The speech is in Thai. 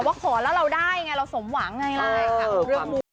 แต่ว่าขอแล้วเราได้ไงเราสมหวังเลยค่ะ